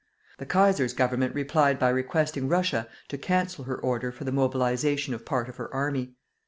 The Kaiser's government replied by requesting Russia to cancel her order for the mobilization of part of her army.